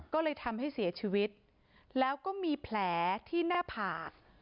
ก็เลยทำให้เสียชีวิตแล้วก็มีแผลที่หน้าผาก